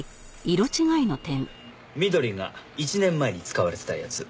緑が１年前に使われてたやつ。